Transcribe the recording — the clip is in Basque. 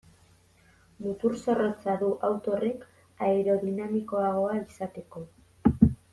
Mutur zorrotza du auto horrek aerodinamikoagoa izateko.